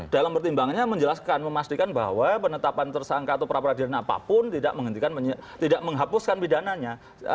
dalam pertimbangannya menjelaskan memastikan bahwa penetapan tersangka atau pra peradilan apapun tidak menghapuskan pidananya